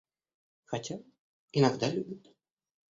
Хотя, иногда любит.